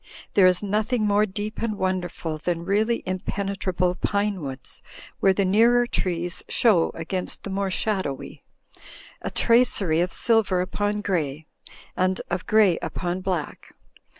There is nothing more deep and wonderful than really impenetrable pinewoods where the nearer trees show against the more shadowy ; a tracery of silver upon grey and of grey upon black.